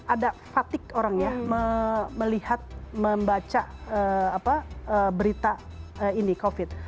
ada fatigue orang ya melihat membaca berita ini covid